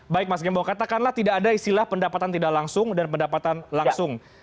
baik mas gembong katakanlah tidak ada istilah pendapatan tidak langsung dan pendapatan langsung